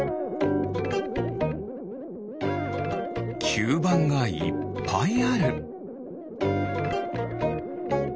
きゅうばんがいっぱいある。